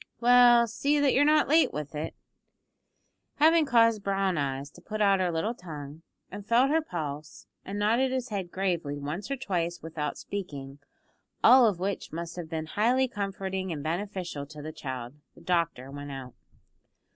"Well, see that you're not late with it." Having caused Brown eyes to put out her little tongue, and felt her pulse, and nodded his head gravely once or twice without speaking, all of which must have been highly comforting and beneficial to the child, the doctor went out.